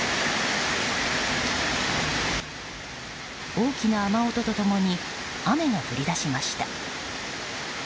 大きな雨音と共に雨が降り出しました。